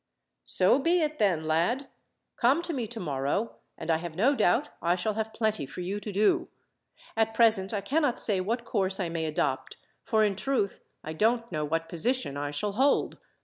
"So be it, then, lad. Come to me tomorrow, and I have no doubt I shall have plenty for you to do. At present, I cannot say what course I may adopt, for in truth, I don't know what position I shall hold.